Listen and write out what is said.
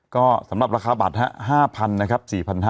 ก็สำหรับราคาบัตร๕๐๐นะครับ